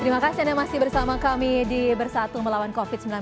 terima kasih anda masih bersama kami di bersatu melawan covid sembilan belas